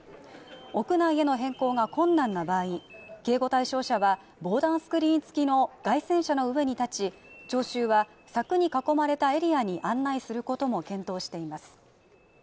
屋内への変更が困難な場合警護対象者は防弾スクリーン付きの街宣車の上に立ち聴衆は柵に囲まれたエリアに案内することも検討しています。